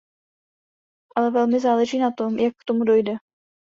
Ale velmi záleží na tom, jak k tomu dojde.